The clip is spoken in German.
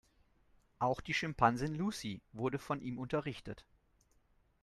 Auch die Schimpansin "Lucy" wurde von ihm unterrichtet.